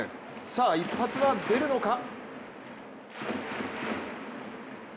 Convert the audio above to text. さあ一発は出るのか？